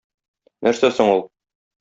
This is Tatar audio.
Нәрсә соң ул?